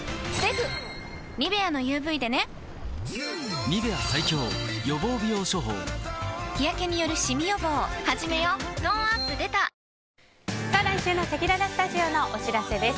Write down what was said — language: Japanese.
トーンアップ出た来週のせきららスタジオのお知らせです。